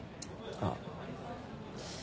あっ。